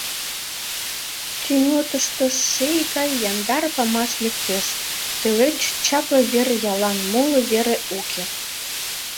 Тӱҥотышто ший гай яндар памаш лектеш, тылеч чапле вер яллан моло вере уке.